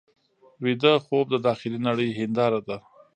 ویده خوب د داخلي نړۍ هنداره ده